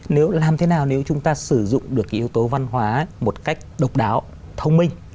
nếu làm thế nào nếu chúng ta sử dụng được cái yếu tố văn hóa một cách độc đáo thông minh